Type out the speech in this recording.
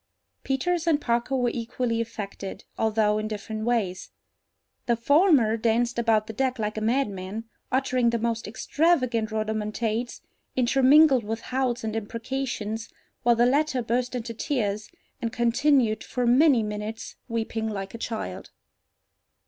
Peters and Parker were equally affected, although in different ways. The former danced about the deck like a madman, uttering the most extravagant rhodomontades, intermingled with howls and imprecations, while the latter burst into tears, and continued for many minutes weeping like a child.